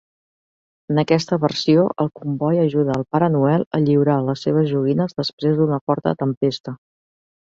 En aquesta versió, el comboi ajuda al Pare Noel a lliurar les seves joguines després d'una forta tempesta.